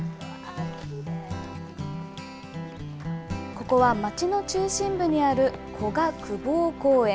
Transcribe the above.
ここは町の中心部にある古河公方公園。